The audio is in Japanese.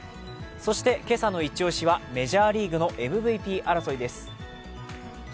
そして今朝のイチ押しはメジャーリーグのＭＶＰ争いです。